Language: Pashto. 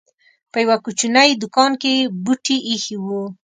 په يوه کوچنۍ دوکان کې یې بوټي اېښي وو.